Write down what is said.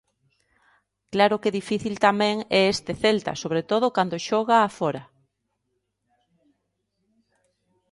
Claro que difícil tamén é este Celta, sobre todo cando xoga a fóra.